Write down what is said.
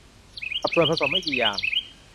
กับส่วนผสมไม่กี่อย่าง